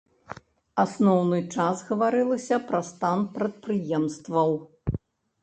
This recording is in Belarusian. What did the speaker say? Асноўны час гаварылася пра стан прадпрыемстваў.